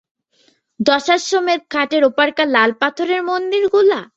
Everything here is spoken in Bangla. দশাশ্বমেধ ঘাটের ওপরকার লালপাথরের মন্দিরগুলা?